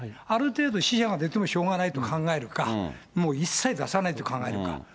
ある程度、死者が出てもしょうがないと考えるか、もう一切出さないと考えるか。